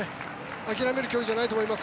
諦める距離じゃないと思います